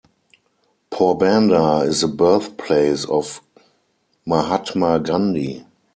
Porbandar is the birthplace of Mahatma Gandhi.